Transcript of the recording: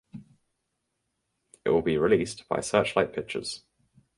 It will be released by Searchlight Pictures.